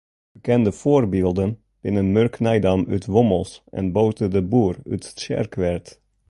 Bekende foarbylden binne Murk Nijdam út Wommels en Bote de Boer út Tsjerkwert.